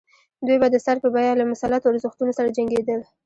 دوی به د سر په بیه له مسلطو ارزښتونو سره جنګېدل.